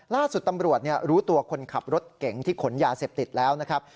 ล่าสุดตำรวจรู้ตัวคนขับรถเก่งที่ขนยาเสพติดแล้วนะครับ